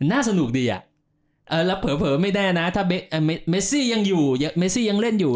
น่าสนุกดีอ่ะแล้วเผลอไม่แน่นะถ้าเมซี่ยังอยู่เมซี่ยังเล่นอยู่